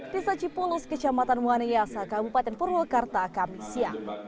desa cipulus kecamatan mwaneyasa kabupaten purwakarta kamisya